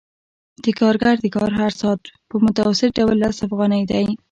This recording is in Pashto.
د کارګر د کار هر ساعت په متوسط ډول لس افغانۍ دی